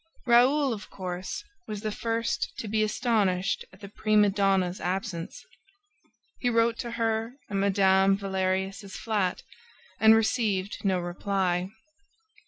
Raoul, of course, was the first to be astonished at the prima donna's absence. He wrote to her at Mme. Valerius' flat and received no reply.